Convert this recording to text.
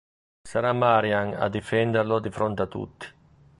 Sarà Marian a difenderlo di fronte a tutti.